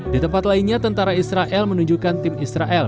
di tempat lainnya tentara israel menunjukkan tim israel